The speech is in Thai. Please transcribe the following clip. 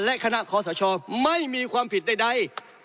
และคณะคอสชไม่มีความผิดใด